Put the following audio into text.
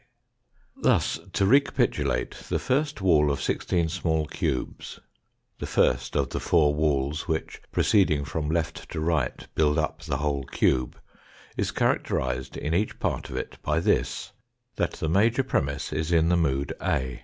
Thus, to recapitulate, the first wall of sixteen small cubes, the first of the four walls which, proceeding from left to right, build up the whole cube, is characterised in each part of it by this, that the major premiss is in the mood A.